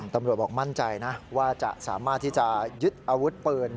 บอกมั่นใจนะว่าจะสามารถที่จะยึดอาวุธปืน